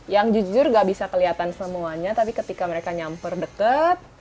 yang jujur gak bisa kelihatan semuanya tapi ketika mereka nyamper deket